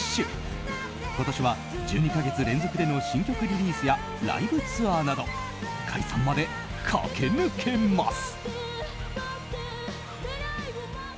今年は１２か月連続での新曲リリースやライブツアーなど解散まで駆け抜けます。